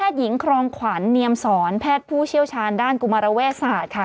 หญิงครองขวัญเนียมสอนแพทย์ผู้เชี่ยวชาญด้านกุมารเวศาสตร์ค่ะ